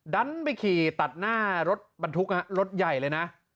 ดันไปขี่ตัดหน้ารถบรรทุกรถใหญ่เลยนะ